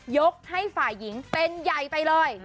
ยกให้ฝ่ายหญิงเป็นใหญ่ไปเลย